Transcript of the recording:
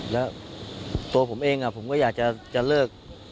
แล้วตัวผมเองผมก็อยากจะเลิก